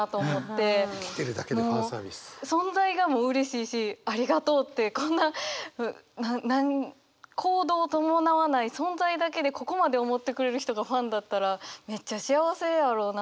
存在がもううれしいしありがとうってこんな行動を伴わない存在だけでここまで思ってくれる人がファンだったらめっちゃ幸せやろなと思いましたね。